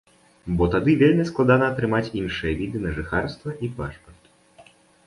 Бо тады вельмі складана атрымаць іншыя віды на жыхарства і пашпарт.